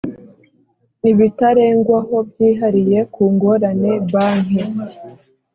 Ibitarengwaho byihariye ku ngorane banki